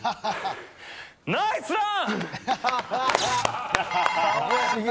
ナイスラン！